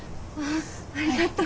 あありがとう。